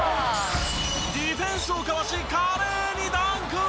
ディフェンスをかわし華麗にダンク！